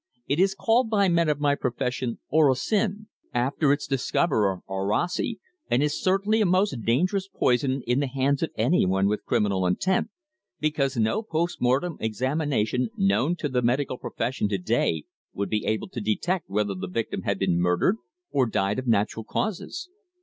It is called by men of my profession orosin, after its discoverer Orosi, and is certainly a most dangerous poison in the hands of anyone with criminal intent, because no post mortem examination known to the medical profession to day would be able to detect whether the victim had been murdered or died of natural causes."